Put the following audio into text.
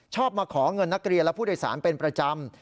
มาขอเงินนักเรียนและผู้โดยสารเป็นประจำ